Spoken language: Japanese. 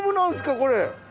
これ。